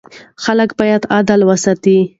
خلک باید اعتدال وساتي.